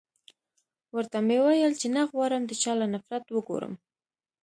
ورته و مې ويل چې نه غواړم د چا له نفرت وګورم.